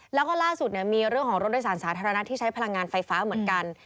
แล้วก็ล่าสุดมีเรื่องของรถโดยสารสาธารณะที่ใช้พลังงานไฟฟ้าเหมือนกัน